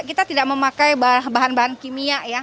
kita tidak memakai bahan bahan kimia ya